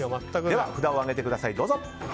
では、札を上げてください。